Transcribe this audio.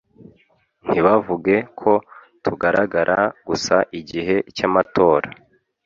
ntibavuge ko tugaragara gusa igihe cy’amatora